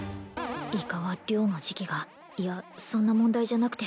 イカは漁の時期がいやそんな問題じゃなくて